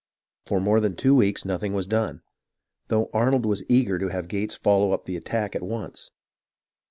For more than two weeks nothing was done, though Arnold was eager to have Gates follow up the attack at once.